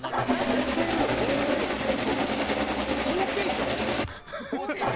ホテルホーケーション？